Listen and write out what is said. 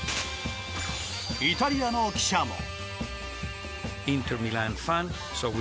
イタリアの記者も。